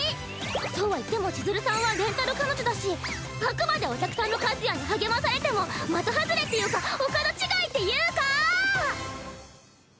そうは言っても千鶴さんはレンタル彼女だしあくまでお客さんの和也に励まされても的外れっていうかお門違いっていうか！